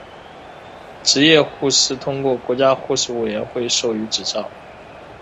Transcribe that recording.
执业护士通过国家护士委员会授予执照。